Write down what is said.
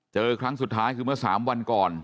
ครั้งสุดท้ายคือเมื่อ๓วันก่อน